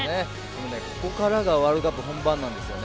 ここからがワールドカップ本番なんですよね。